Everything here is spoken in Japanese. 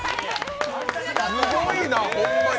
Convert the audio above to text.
すごいな、ホンマに。